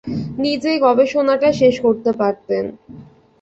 নিজেই গবেষণাটা শেষ করতে পারতেন।